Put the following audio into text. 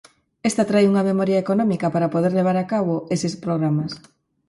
Esta trae unha memoria económica para poder levar a cabo eses programas.